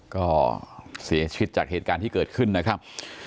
ก็เสียชีวิตจากเหตุการณ์ที่เกิดขึ้นนะครับ